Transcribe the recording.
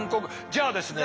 じゃあですね